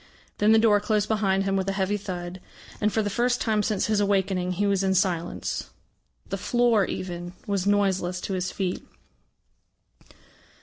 Then the door closed behind him with a heavy thud, and for the first time since his awakening he was in silence. The floor, even, was noiseless to his feet.